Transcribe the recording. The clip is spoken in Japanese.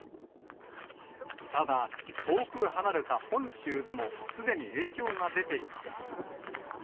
ただ、遠く離れた本州でも、すでに影響が出ています。